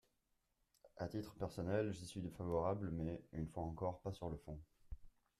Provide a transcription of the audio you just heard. À titre personnel, j’y suis défavorable mais, une fois encore, pas sur le fond.